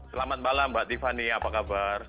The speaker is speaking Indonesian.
selamat malam mbak tiffany apa kabar